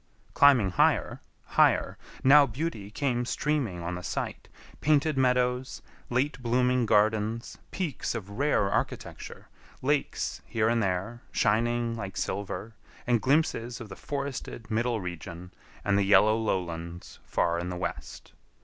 Climbing higher, higher, now beauty came streaming on the sight: painted meadows, late blooming gardens, peaks of rare architecture, lakes here and there, shining like silver, and glimpses of the forested middle region and the yellow lowlands far in the west.